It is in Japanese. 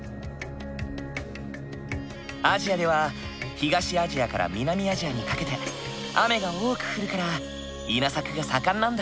アジアでは東アジアから南アジアにかけて雨が多く降るから稲作が盛んなんだ。